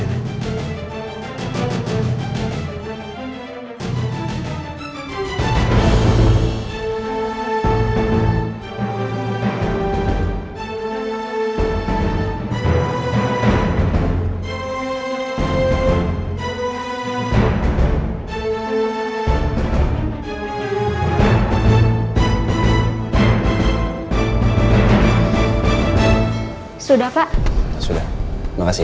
berarti tidak ada jessica disini